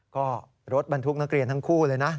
ก็รถบรรทุกนักเรียนทั้งคู่เลยนะ